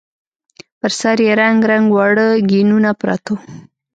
پر سر يې رنګ رنګ واړه ګېنونه پراته وو.